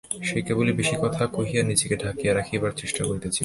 সে কেবলই বেশি কথা কহিয়া নিজেকে ঢাকিয়া রাখিবারই চেষ্টা করিতেছিল।